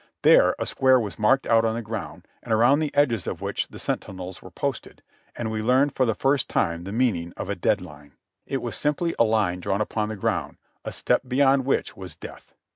There a square was marked out on the ground, around the edges of which the sentinels were posted; and we learned for the first time the meaning of a dead line. SIGHTS AND SCENES IN PRISON I99 It was simply a line drawn upon the ground, a step beyond which was death.